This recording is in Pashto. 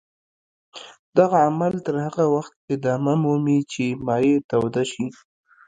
دغه عمل تر هغه وخته ادامه مومي چې مایع توده شي.